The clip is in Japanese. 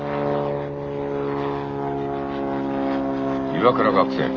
岩倉学生。